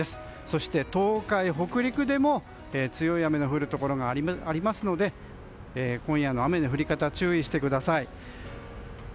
そして東海・北陸でも、強い雨が降るところがありますので今夜の雨の降り方に注意してください。